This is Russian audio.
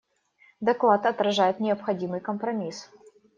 Доклад отражает необходимый компромисс.